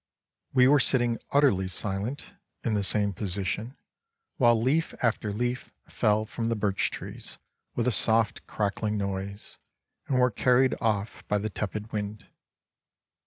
We were sitting utterly silent, in the same posi tion, while leaf after leaf fell from the birch trees with a soft crackling noise and were carried off by the tepid wind.